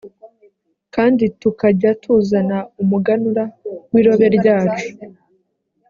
kandi tukajya tuzana umuganura w’irobe ryacu